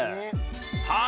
はい！